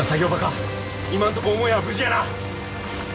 今んとこ母屋は無事やな。